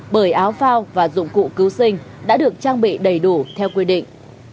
bởi áo phao và dụng cụ cứu sinh đã được trang bị đầy đủ theo quy định